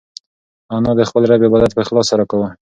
انا د خپل رب عبادت په اخلاص سره کاوه.